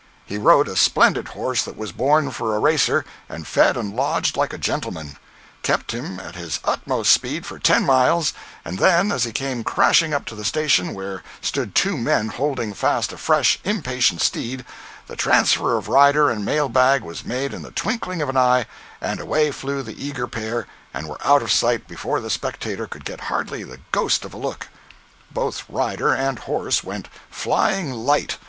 He rode a splendid horse that was born for a racer and fed and lodged like a gentleman; kept him at his utmost speed for ten miles, and then, as he came crashing up to the station where stood two men holding fast a fresh, impatient steed, the transfer of rider and mail bag was made in the twinkling of an eye, and away flew the eager pair and were out of sight before the spectator could get hardly the ghost of a look. Both rider and horse went "flying light."